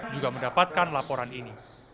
juga mendapatkan laporan ini